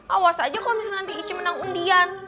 awas aja kalau misalnya nanti ici menang undian